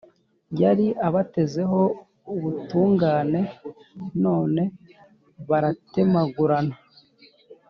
Yari abatezeho ubutungane, none baratemagurana!